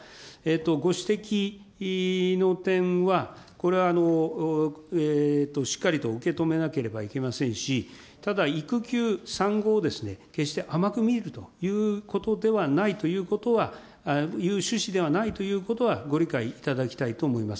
ご指摘の点は、これはしっかりと受け止めなければいけませんし、ただ、育休、産後を決して甘く見るということではないということは、いう趣旨ではないということは、ご理解いただきたいと思います。